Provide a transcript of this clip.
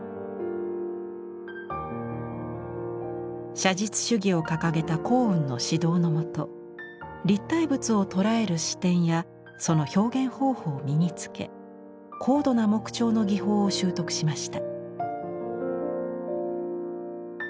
写実主義を掲げた光雲の指導のもと立体物を捉える視点やその表現方法を身につけ高度な木彫の技法を習得しました。